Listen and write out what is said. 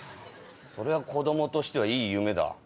それは子供としてはいい夢だ。